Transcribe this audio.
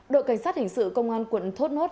đội cảnh sát hình sự công an quận thốt nốt